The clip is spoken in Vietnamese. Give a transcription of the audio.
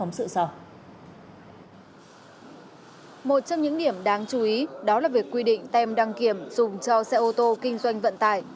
một trong những điểm đáng chú ý đó là việc quy định tem đăng kiểm dùng cho xe ô tô kinh doanh vận tải